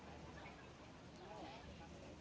สวัสดีครับทุกคน